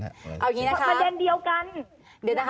เอาอย่างนี้นะคะ